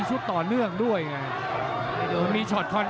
ช่วยไปไม่เห็น